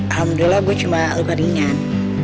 alhamdulillah gue cuma luka ringan